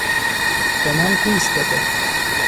به من گوش بده!